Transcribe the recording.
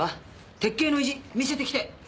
鉄警の意地見せてきて！